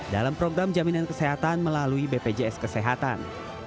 dalam program jaminan kesehatan melalui bpjs kesehatan